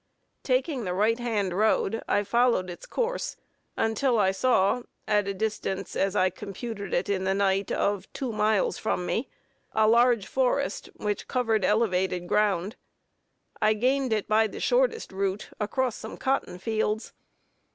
Taking the right hand road, I followed its course until I saw at the distance, as I computed it in the night, of two miles from me a large forest which covered elevated ground. I gained it by the shortest route across some cotton fields.